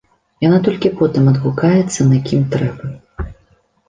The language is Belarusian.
Яна толькі потым адгукаецца на кім трэба.